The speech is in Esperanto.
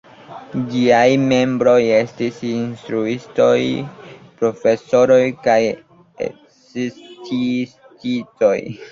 Ĝiaj membroj estis instruistoj, profesoroj kaj sciencistoj.